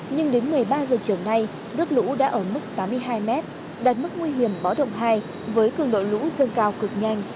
nhưng đến một mươi ba h chiều nay nước lũ đã ở mức tám mươi hai m đạt mức nguy hiểm báo động hai với cường độ lũ dâng cao cực nhanh